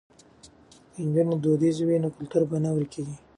که نجونې دودیزې وي نو کلتور به نه ورکيږي.